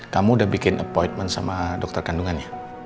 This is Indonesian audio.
kamu udah bikin appointment sama dokter kandungannya